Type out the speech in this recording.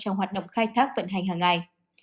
trong hoạt động khai thác vận hành hàng ngày